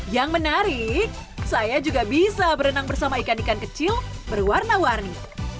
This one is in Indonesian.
yang menarik saya juga bisa berenang bersama ikan ikan kecil berwarna warni